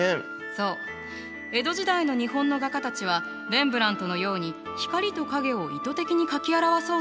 そう江戸時代の日本の画家たちはレンブラントのように光と影を意図的に描き表そうとする意識があまりなかったのね。